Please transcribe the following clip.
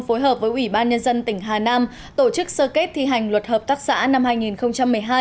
phối hợp với ủy ban nhân dân tỉnh hà nam tổ chức sơ kết thi hành luật hợp tác xã năm hai nghìn một mươi hai